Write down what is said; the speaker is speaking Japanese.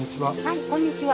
こんにちは。